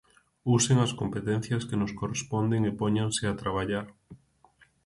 ¡Usen as competencias que nos corresponden e póñanse a traballar!